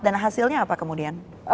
dan hasilnya apa kemudian